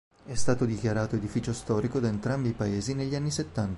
È stato dichiarato edificio storico da entrambi i paesi negli anni settanta.